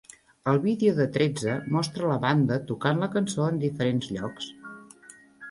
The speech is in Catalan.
El vídeo de "tretze" mostra la banda tocant la cançó en diferents llocs.